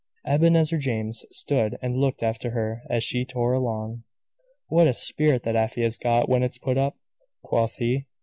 Ebenezer James stood and looked after her as she tore along. "What a spirit that Afy has got, when it's put up!" quoth he.